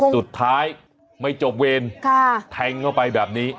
สุดท้ายไม่จบเวรแทงเข้าไปแบบนี้